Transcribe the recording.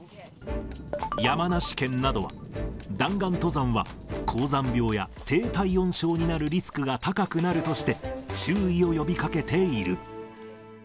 山梨県などは、弾丸登山は高山病や低体温症になるリスクが高くなるとして、注意を呼びかけている。